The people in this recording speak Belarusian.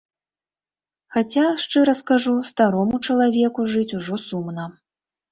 Хаця, шчыра скажу, старому чалавеку жыць ужо сумна.